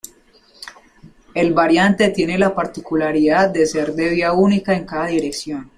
El variante tiene la particularidad de ser de vía única en cada dirección.